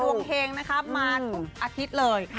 มาตรงนี้ทุกอาทิตย์เลย